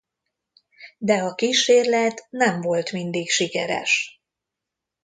De a kísérlet nem volt mindig sikeres.